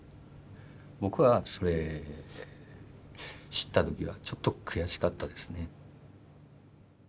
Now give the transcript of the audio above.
僕はそれ知った時はちょっと悔しかったですね。